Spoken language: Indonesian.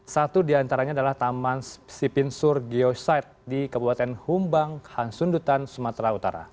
satu diantaranya adalah taman sipinsur geosite di kebuatan humbang hansundutan sumatera utara